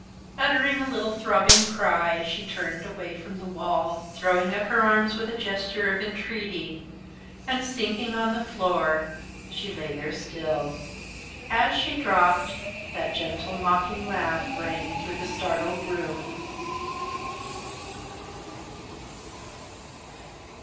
Uttering a little throbbing cry, she turned away from the wall, throwing up her arms with a gesture of entreaty, and sinking on to the floor, she lay there still. As she dropped, that gentle, mocking laugh rang through the startled room.